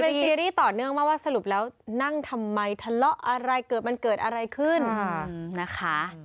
เป็นซีรีส์ต่อเนื่องมาว่าสรุปแล้วนั่งทำไมทะเลาะอะไรเกิดมันเกิดอะไรขึ้นนะคะ